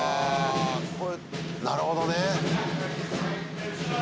これ、なるほどね。